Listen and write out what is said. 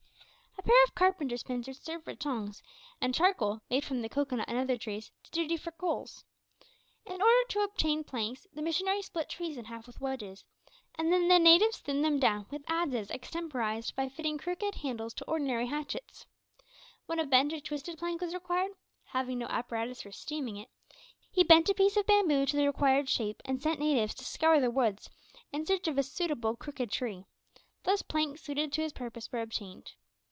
A pair of carpenter's pincers served for tongs, and charcoal, made from the cocoanut and other trees, did duty for coals. In order to obtain planks, the missionary split trees in half with wedges and then the natives thinned them down with adzes extemporised by fitting crooked handles to ordinary hatchets. When a bent or twisted plank was required, having no apparatus for steaming it, he bent a piece of bamboo to the required shape, and sent natives to scour the woods in search of a suitable crooked tree. Thus planks suited to his purpose were obtained.